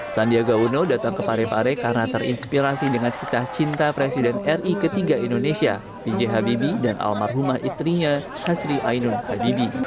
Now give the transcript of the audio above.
sandiaga uno datang ke parepare karena terinspirasi dengan kisah cinta presiden ri ketiga indonesia b j habibi dan almarhumah istrinya hasri ainun habibi